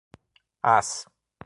às